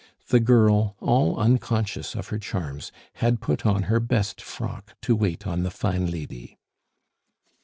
The girl, all unconscious of her charms, had put on her best frock to wait on the fine lady.